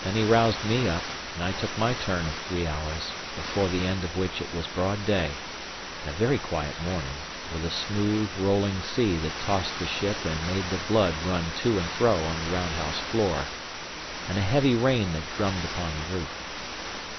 Then he roused me up, and I took my turn of three hours; before the end of which it was broad day, and a very quiet morning, with a smooth, rolling sea that tossed the ship and made the blood run to and fro on the round house floor, and a heavy rain that drummed upon the roof.